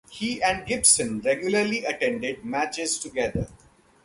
He and Gibson regularly attended matches together.